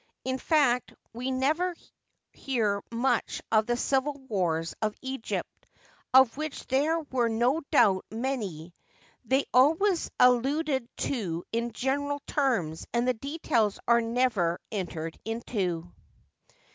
In fact, we never hear much of the civil wars of Eg^pt, of which there were no doubt many ; they are always alluded to in general terms, and the details are never entered into.